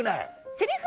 「セリフ